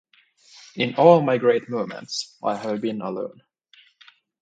In all my great moments I have been alone.